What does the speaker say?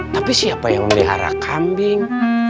tapi siapa yang memelihara kambing